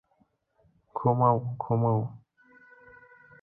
ঘুমাও, ঘুমাও।